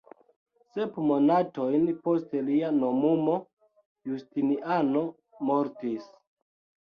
Sep monatojn post lia nomumo Justiniano mortis.